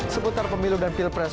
seputar pemilu dan pilpres